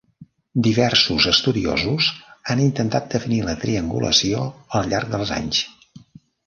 Diversos estudiosos han intentat definir la triangulació al llarg dels anys.